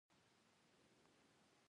په دې ټولګه کې د کار وسایل هم شامل دي.